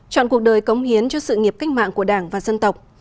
chọn cuộc đời cống hiến cho sự nghiệp cách mạng của đảng và dân tộc